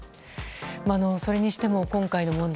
それにしても今回の問題